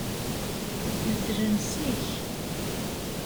Meddlen zik.